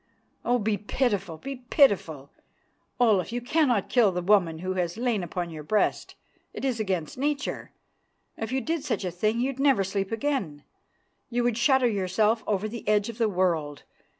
Oh! be pitiful! Be pitiful! Olaf, you cannot kill the woman who has lain upon your breast, it is against nature. If you did such a thing you'd never sleep again; you would shudder yourself over the edge of the world!